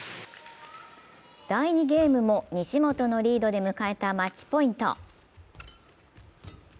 第２ゲームも西本のリードで迎えたマッチポイント。